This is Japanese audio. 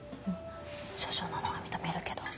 処女なのは認めるけど。